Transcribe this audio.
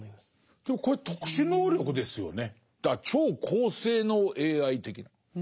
でもこれ特殊能力ですよね。